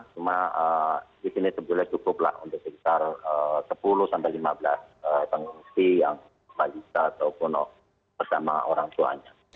cuma di sini sebetulnya cukup lah untuk sekitar sepuluh lima belas pengungsi yang balita ataupun bersama orang tuanya